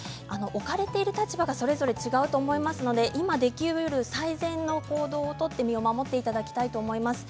置かれている立場がそれぞれ違うと思いますので今できうる最善の行動を取って身を守っていただきたいと思います。